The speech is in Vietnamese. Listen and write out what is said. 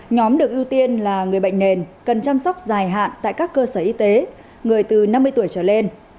nhóm được ưu tiên là người bệnh nền cần chăm sóc dài hạn tại các cơ sở y tế người từ năm mươi tuổi trở lên